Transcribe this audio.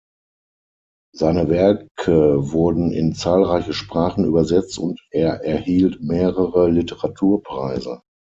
Seine Werke wurden in zahlreiche Sprachen übersetzt und er erhielt mehrere Literaturpreise.